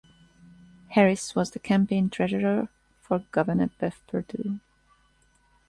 Harris was the campaign treasurer for Governor Bev Perdue.